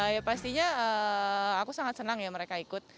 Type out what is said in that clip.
ya pastinya aku sangat senang ya mereka ikut